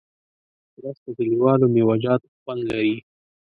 رس د کلیوالو میوهجاتو خوند لري